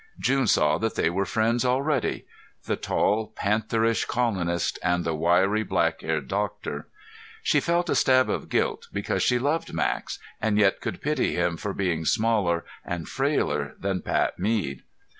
June saw that they were friends already, the tall pantherish colonist, and the wry, black haired doctor. She felt a stab of guilt because she loved Max and yet could pity him for being smaller and frailer than Pat Mead.